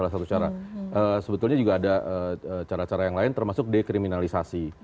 sebetulnya juga ada cara cara yang lain termasuk dekriminalisasi